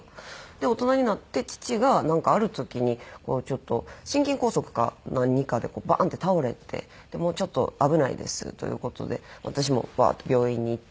大人になって父がなんかある時にちょっと心筋梗塞か何かでバーンって倒れてもうちょっと危ないですという事で私もバーッと病院に行って。